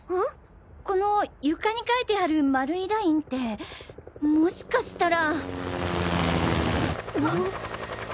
この床に書いてある丸いラインってもしかしたら。